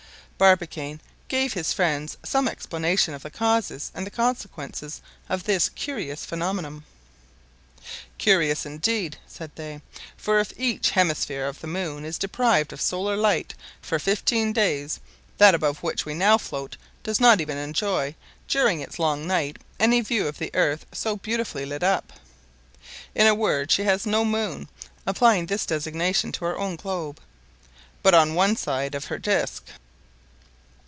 Barbicane gave his friends some explanation of the causes and the consequences of this curious phenomenon. "Curious indeed," said they; "for, if each hemisphere of the moon is deprived of solar light for fifteen days, that above which we now float does not even enjoy during its long night any view of the earth so beautifully lit up. In a word she has no moon (applying this designation to our globe) but on one side of her disc.